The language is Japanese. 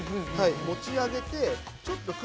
持ち上げて、ちょっとくるくる。